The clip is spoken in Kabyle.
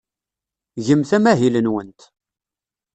Gemt amahil-nwent.